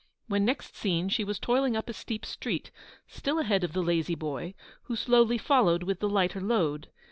When next seen she was toiling up a steep street, still ahead of the lazy boy, who slowly followed with the lighter load.